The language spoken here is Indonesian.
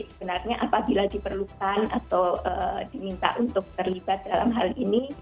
sebenarnya apabila diperlukan atau diminta untuk terlibat dalam hal ini